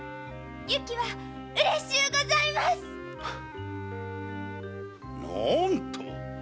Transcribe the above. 雪はうれしゅうございます何と？